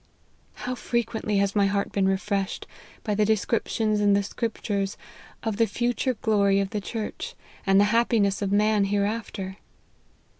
" How frequently has my heart been refreshed, by the descriptions in the Scriptures of the future glory of the Church, and the happiness of man hereafter."